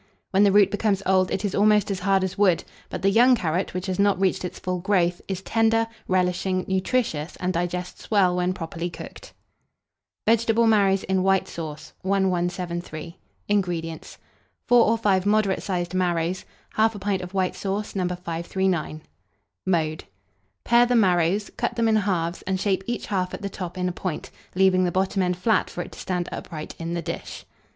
When the root becomes old, it is almost as hard as wood; but the young carrot, which has not reached its full growth, is tender, relishing, nutritious, and digests well when properly cooked. VEGETABLE MARROWS IN WHITE SAUCE. 1173. INGREDIENTS. 4 or 5 moderate sized marrows, 1/2 pint of white sauce, No. 539. [Illustration: VEGETABLE MARROW IN WHITE SAUCE.] Mode. Pare the marrows; cut them in halves, and shape each half at the top in a point, leaving the bottom end flat for it to stand upright in the dish.